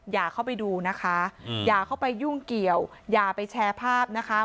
อย่าเข้าไปดูนะคะอย่าเข้าไปยุ่งเกี่ยวอย่าไปแชร์ภาพนะคะ